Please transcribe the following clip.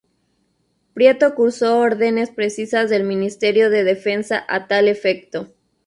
Prieto cursó órdenes precisas del ministerio de Defensa a tal efecto.